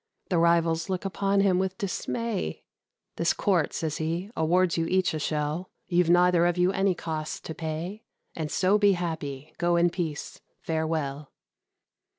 The rivals look upon him with dismay: "This Court," says he, "awards you each a shell; You've neither of you any costs to pay, And so be happy. Go in peace. Farewell!"